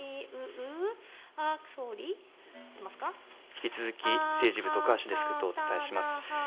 引き続き、政治部、徳橋デスクとお伝えします。